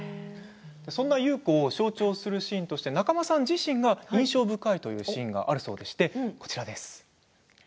そんな優子を象徴するシーンとして仲間さん自身が印象深いというシーンがあるそうです。